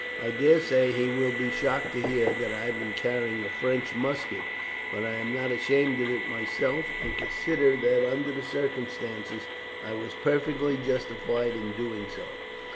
I daresay he will be shocked to hear that I have been carrying a French musket, but I am not ashamed of it myself, and consider that under the circumstances I was perfectly justified in doing so.